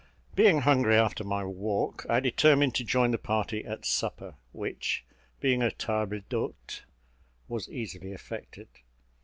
Being hungry after my walk, I determined to join the party at supper, which, being a table d'hôte was easily effected.